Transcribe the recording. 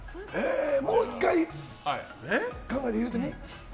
もう１回考えて言うてみ。